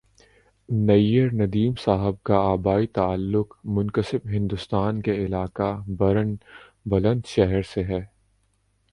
نیّرندیم صاحب کا آبائی تعلق منقسم ہندوستان کے علاقہ برن بلند شہر سے ہے